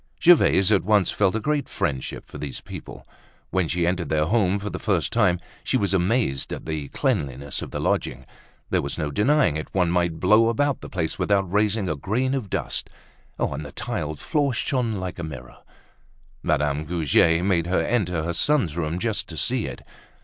Gervaise at once felt a great friendship for these people. When she entered their home for the first time, she was amazed at the cleanliness of the lodging. There was no denying it, one might blow about the place without raising a grain of dust; and the tiled floor shone like a mirror. Madame Goujet made her enter her son's room, just to see it.